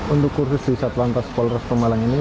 untuk kursus di satuan peskol respemalang ini